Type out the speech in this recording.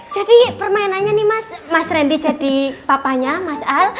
jadi permainannya nih mas randy jadi papanya mas al